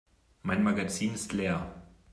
Mein Magazin ist leer.